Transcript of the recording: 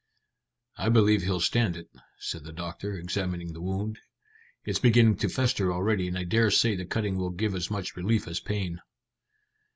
"I believe he'll stand it," said the doctor, examining the wound. "It's beginning to fester already, and I dare say the cutting will give as much relief as pain."